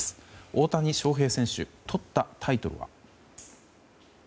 大谷翔平選手とったタイトルは。